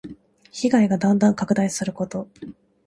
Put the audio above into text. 被害がだんだん拡大すること。